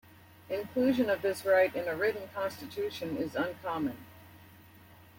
Inclusion of this right in a written constitution is uncommon.